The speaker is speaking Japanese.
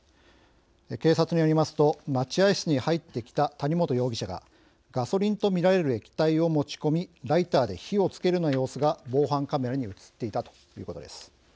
警察によりますと待合室に入ってきた谷本容疑者がガソリンとみられる液体を持ち込みライターで火をつけるような様子が防犯カメラに映っていたということです。